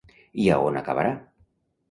I a on acabarà?